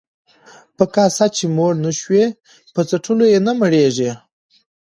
ـ په کاسه چې موړ نشوې، په څټلو يې هم نه مړېږې.